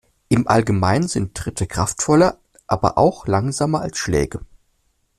Im Allgemeinen sind Tritte kraftvoller, aber auch langsamer als Schläge.